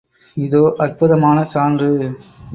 இதோ அற்புதமான சான்று.